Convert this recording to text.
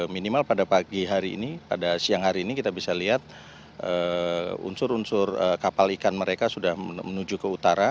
minimal pada pagi hari ini pada siang hari ini kita bisa lihat unsur unsur kapal ikan mereka sudah menuju ke utara